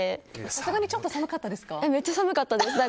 さすがにちょっと寒かったですか？